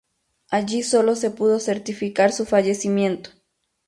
Allí sólo se pudo certificar su fallecimiento.